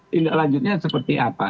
tindak lanjutnya seperti apa